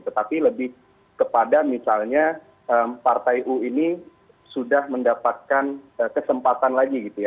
tetapi lebih kepada misalnya partai u ini sudah mendapatkan kesempatan lagi gitu ya